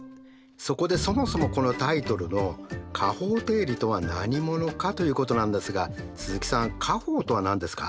そこでそもそもこのタイトルの加法定理とは何者かということなんですが鈴木さん加法とは何ですか？